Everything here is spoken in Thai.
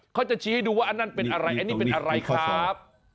เขาจะชี้ให้ดูว่าอันนั้นเป็นอะไรอันนี้เป็นอะไรครับ